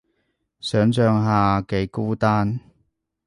想像下幾孤單